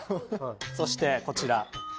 そしてこちら。